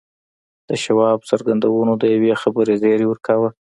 د شواب څرګندونو د یوې خبرې زیری ورکاوه